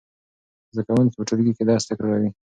زده کوونکي په ټولګي کې درس تکراروي.